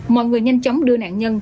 mọi người nhanh chóng đưa nạn nhân